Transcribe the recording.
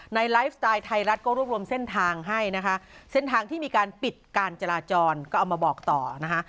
ไลฟ์สไตล์ไทยรัฐก็รวบรวมเส้นทางให้นะคะเส้นทางที่มีการปิดการจราจรก็เอามาบอกต่อนะคะ